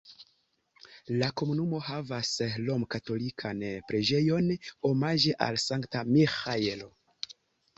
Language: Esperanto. La komunumo havas romkatolikan preĝejon omaĝe al Sankta Miĥaelo.